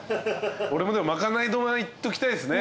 俺もでもまかない丼はいっときたいですね。